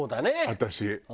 私。